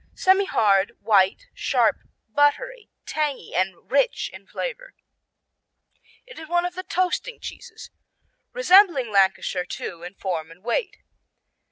Semihard; white; sharp; buttery; tangy and rich in flavor. It is one of the "toasting cheeses" resembling Lancashire, too, in form and weight.